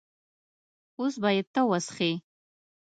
اوس به یې ته وڅښې.